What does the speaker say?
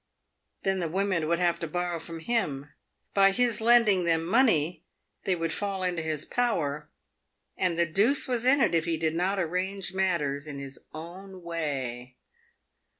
Then the women would have to borrow from him. By his lending them money, they would fall into his power, and the deuce was in it if he did not arrange matters in his own way.